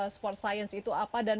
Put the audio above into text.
sport science itu apa dan mungkin pak